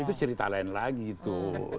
itu cerita lain lagi tuh